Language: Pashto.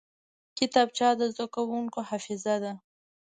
کتابچه د زده کوونکي حافظه ده